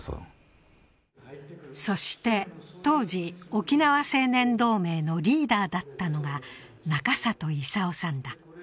そして当時、沖縄青年同盟のリーダーだったのが、仲里効さんだ。